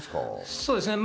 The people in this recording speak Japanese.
そうですね。